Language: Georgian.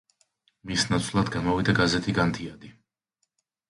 მის ნაცვლად გამოვიდა გაზეთი „განთიადი“.